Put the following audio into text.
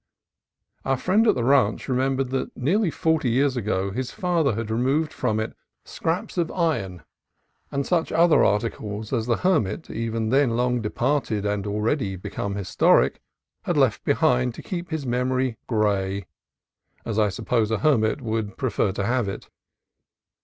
Our friend at the ranch remembered that nearly forty years ago his father had removed from it scraps of iron and such other articles as the hermit, even then long departed and already become historic, had left behind to keep his memory gray (as I suppose a hermit would prefer to have it)